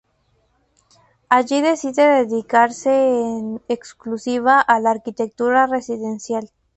Allí decide dedicarse en exclusiva a la arquitectura residencial.